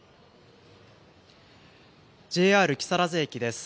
ＪＲ木更津駅です。